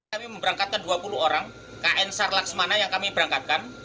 kami memberangkatkan dua puluh orang kn sar laksmana yang kami berangkatkan